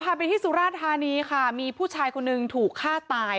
ไปที่สุราธานีค่ะมีผู้ชายคนหนึ่งถูกฆ่าตาย